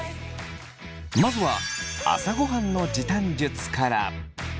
まずは朝ごはんの時短術から。